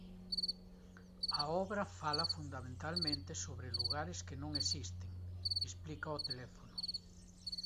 A obra fala fundamentalmente sobre lugares que non existen, explica ao teléfono.